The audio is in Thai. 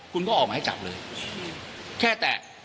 คุณก็ออกมาให้จับเลยแค่แต่